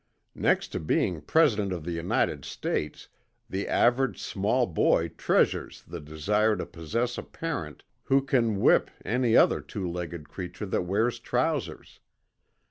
Next to being President of the United States the average small boy treasures the desire to possess a parent who can whip any other two legged creature that wears trousers.